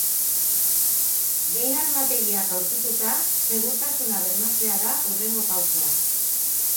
Behin armategiak aurkituta, segurtasuna bermatzea da hurrengo pausoa.